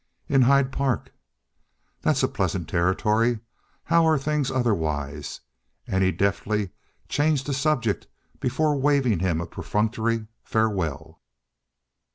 "In Hyde Park." "That's a pleasant territory. How are things otherwise?" And he deftly changed the subject before waving him a perfunctory farewell.